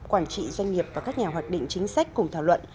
quản trị doanh nghiệp và các nhà hoạch định chính sách cùng thảo luận